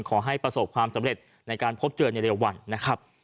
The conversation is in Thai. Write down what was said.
ขอให้ประสบความสำเร็จในการพบเจอในเร็ววันนะครับ